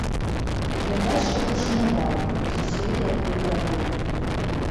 Глядач яго шанаваў, з усёй яго дуратой.